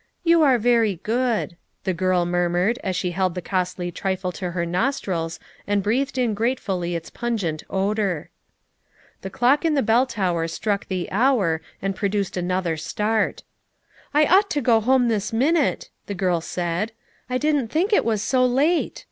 '' "You are very good," the girl murmured as she held the costly trifle to her nostrils and breathed in gratefully its pungent odor. The clock in the bell tower struck the hour and produced another start. "I ought to go home this minute," the girl said. "I didn't think it was so late."